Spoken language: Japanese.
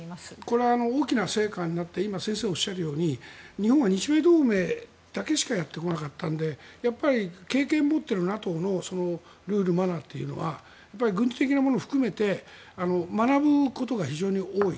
これは大きな成果になって先生がおっしゃるように日本は日米同盟だけしかやってこなかったのでやっぱり経験を持っているＮＡＴＯのルール、マナーというのは軍事的なものを含めて学ぶことが非常に多い。